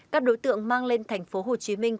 các đối tượng mang lên thành phố hồ chí minh